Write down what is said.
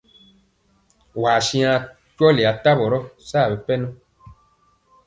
Waa siŋa kyɔli atavɔ yɔ saa bipɛnɔ.